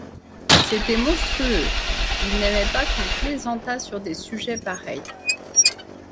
C’était monstrueux, il n’aimait pas qu’on plaisantât sur des sujets pareils.